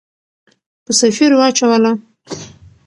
په سفیر واچوله.